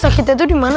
sakitnya tuh dimana